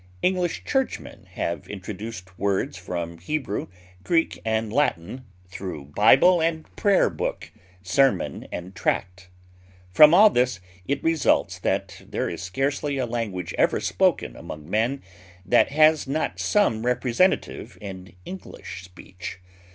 English churchmen have introduced words from Hebrew, Greek, and Latin, through Bible and prayer book, sermon and tract. From all this it results that there is scarcely a language ever spoken among men that has not some representative in English speech.